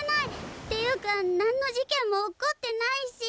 っていうか何の事けんも起こってないし。